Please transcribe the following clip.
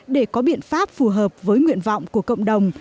để có biện pháp phù hợp với nguyện vọng của cộng đồng